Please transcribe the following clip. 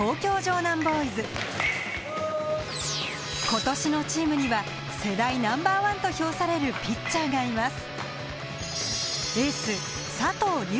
今年のチームには世代Ｎｏ．１と評されるピッチャーがいます